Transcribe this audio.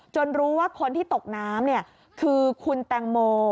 รู้ว่าคนที่ตกน้ำคือคุณแตงโม